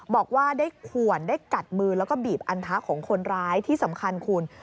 บอกว่าได้ขวนได้กัดมือแล้วก็บีบอันทะของคนร้ายที่สำคัญคุณ